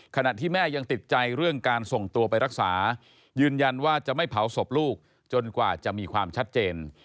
ขณะที่แม่ยังติดใจเรื่องการส่งตัวไปรักษายืนยันว่าจะไม่เผาศพลูกจนกว่าจะมีความชัดเจน